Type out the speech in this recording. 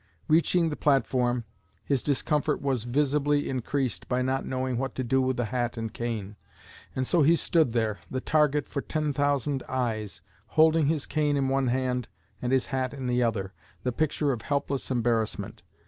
Reaching the platform, his discomfort was visibly increased by not knowing what to do with hat and cane; and so he stood there, the target for ten thousand eyes, holding his cane in one hand and his hat in the other, the picture of helpless embarrassment.